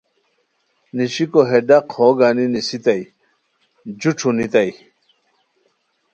نیشیکو ہے ڈاق ہو گانی نیسیتائے، جو ݯھونیتائے